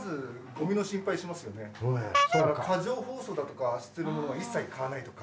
過剰包装だとかしてるものは一切買わないとか。